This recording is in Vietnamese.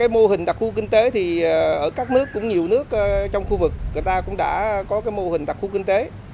mô hình đặc khu kinh tế thì ở các nước cũng nhiều nước trong khu vực người ta cũng đã có mô hình đặc khu kinh tế